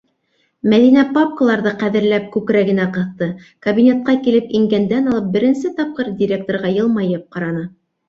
- Мәҙинә папкаларҙы ҡәҙерләп күкрәгенә ҡыҫты, кабинетҡа килеп ингәндән алып беренсе тапҡыр директорға йылмайып ҡараны.